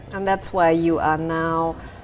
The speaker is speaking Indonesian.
dan itulah mengapa